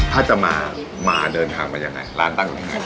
ถ้าจะมามาเดินทางมายังไงร้านตั้งอยู่ที่ไหน